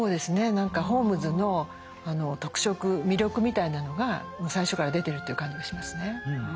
何かホームズの特色魅力みたいなのが最初から出てるっていう感じがしますね。